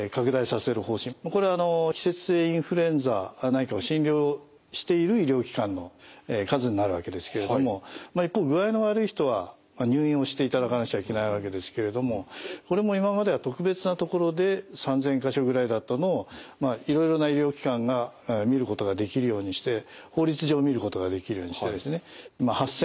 これは季節性インフルエンザなんかを診療している医療機関の数になるわけですけれども一方具合の悪い人は入院をしていただかなくちゃいけないわけですけれどもこれも今までは特別な所で３，０００か所ぐらいだったのをまあいろいろな医療機関が診ることができるようにして法律上診ることができるようにしてですね８，０００